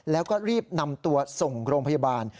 แล้วก็รีบนำตัวส่งโรงพยาบาล